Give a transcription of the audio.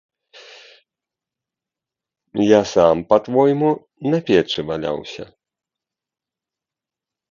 Я сам, па-твойму, на печы валяўся?